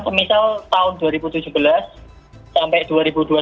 tapi sejak dua ribu tujuh belas itu tujuannya buat timelapse buat animasi video